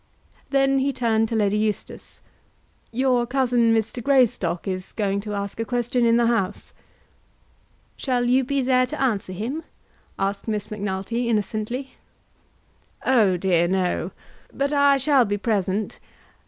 Then he turned to Lady Eustace. "Your cousin, Mr. Greystock, is going to ask a question in the House." "Shall you be there to answer him?" asked Miss Macnulty innocently. "Oh dear, no. But I shall be present.